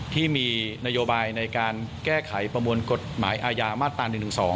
ที่มีนโยบายในการแก้ไขประมวลกฎหมายอาญามาตรา๑๑๒